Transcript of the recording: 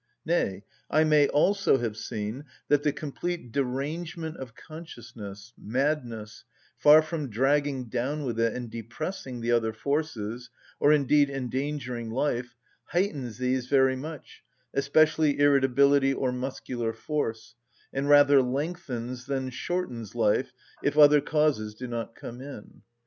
Nay, I may also have seen that the complete derangement of consciousness, madness, far from dragging down with it and depressing the other forces, or indeed endangering life, heightens these very much, especially irritability or muscular force, and rather lengthens than shortens life, if other causes do not come in.